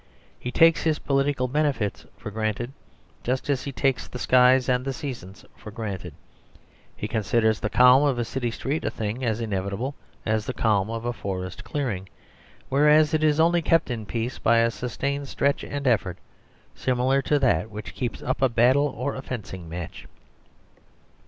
He takes his political benefits for granted, just as he takes the skies and the seasons for granted. He considers the calm of a city street a thing as inevitable as the calm of a forest clearing, whereas it is only kept in peace by a sustained stretch and effort similar to that which keeps up a battle or a fencing match.